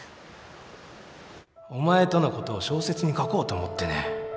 お前とのことを小説に書こうと思ってね